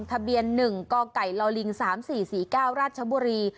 ทะเบียน๑กล๓๔๔๙ราชบุรี